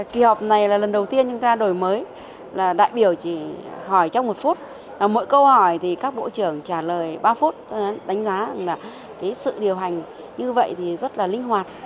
kỳ họp này là lần đầu tiên chúng ta đổi mới đại biểu chỉ hỏi trong một phút mỗi câu hỏi các bộ trưởng trả lời ba phút tôi đánh giá sự điều hành như vậy rất linh hoạt